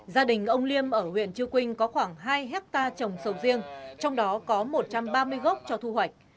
gia đình ông liêm ở huyện chư quynh có khoảng hai hectare trồng sầu riêng trong đó có một trăm ba mươi gốc cho thu hoạch